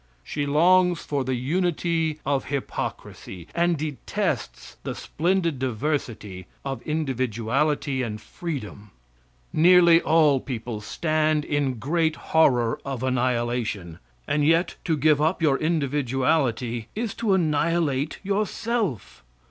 She longs for the unity of hypocrisy, and detests the splendid diversity of individuality and freedom. Nearly all people stand in great horror of annihilation, and yet to give up your individuality is to annihilate yourself.